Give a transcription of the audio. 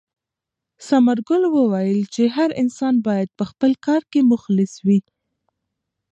ثمرګل وویل چې هر انسان باید په خپل کار کې مخلص وي.